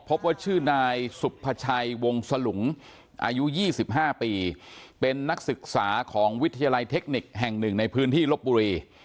พบว่าชื่อนายสุภาชัยวงสลุงอายุ๒๕ปีเป็นนักศึกษาของวิทยาลัยเทคนิคแห่งหนึ่งในพื้นที่ลบบุรี